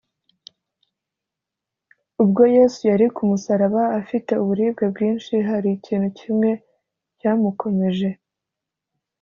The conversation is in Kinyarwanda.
ubwo yesu yari ku musaraba afite uburibwe bwinshi, hari ikintu kimwe cyamukomeje